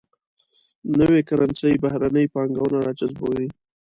نوي کرنسي بهرنۍ پانګونه راجذبوي.